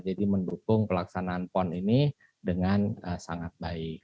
jadi mendukung pelaksanaan pon ini dengan sangat baik